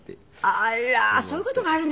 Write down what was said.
あらそういう事があるんですか。